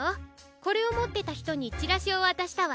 これをもってたひとにチラシをわたしたわ。